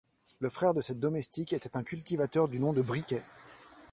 Le frère de cette domestique était un cultivateur du nom de Briquet.